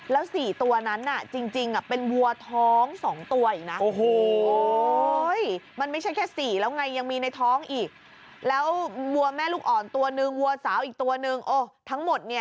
แล้ว๔ตัวนั้นจริงเป็นวัวท้อง๒ตัวอีกนะ